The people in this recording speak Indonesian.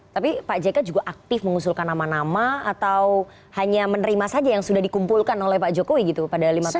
tapi pak jk juga aktif mengusulkan nama nama atau hanya menerima saja yang sudah dikumpulkan oleh pak jokowi gitu pada lima tahun